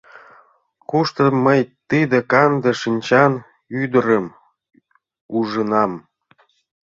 «Кушто мый тиде канде шинчан ӱдырым ужынам?